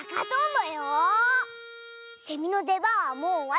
セミのでばんはもうおわり！